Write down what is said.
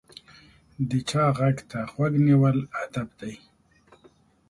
د چا غږ ته غوږ نیول ادب دی.